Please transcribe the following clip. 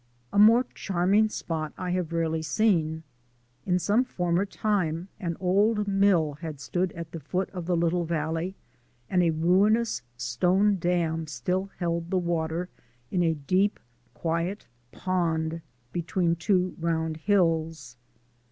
A more charming spot I have rarely seen. In some former time an old mill had stood at the foot of the little valley, and a ruinous stone dam still held the water in a deep, quiet pond between two round hills.